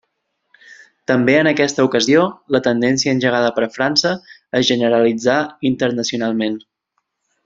També en aquesta ocasió la tendència engegada per França es generalitzà internacionalment.